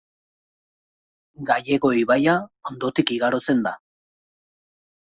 Gallego ibaia ondotik igarotzen da.